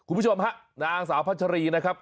คุณผู้ชมฮะนางสาวพัชรีนะครับ